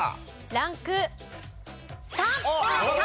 ランク３。